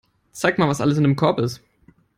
Zeig mal, was alles in dem Korb ist.